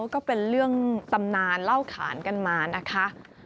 ก็เป็นเรื่องตำนานเล่าขานกันมานะคะ